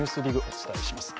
お伝えします。